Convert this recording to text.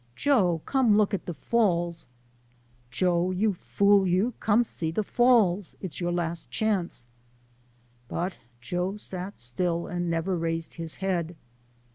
" Joe, << n e look at de Falls ! Joe, you fool you, come see de Falls ! its your last chance." But Joe sat still and never raised his head.